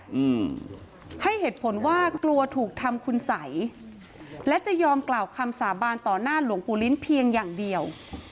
อืมให้เหตุผลว่ากลัวถูกทำคุณสัยและจะยอมกล่าวคำสาบานต่อหน้าหลวงปู่ลิ้นเพียงอย่างเดียว